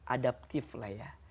adaptif lah ya